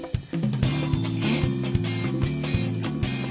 えっ？